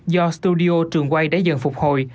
do studio trường quay đã dần phục hồi